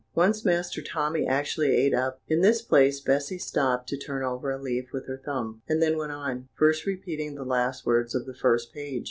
Once Master Tommy actually ate up " In this place Bessy stopped to turn over a leaf with her thumb, and then went on, first repeating the last words of the first page.